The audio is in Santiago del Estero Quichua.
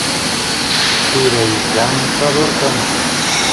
turay llamkador kan